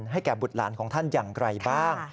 แก่บุตรหลานของท่านอย่างไกลบ้าง